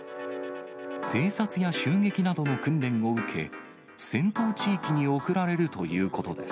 偵察や襲撃などの訓練を受け、戦闘地域に送られるということです。